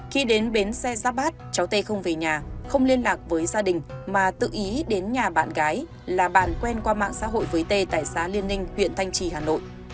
khi đến bến xe giáp bát cháu tê không về nhà không liên lạc với gia đình mà tự ý đến nhà bạn gái là bàn quen qua mạng xã hội với t tại xã liên ninh huyện thanh trì hà nội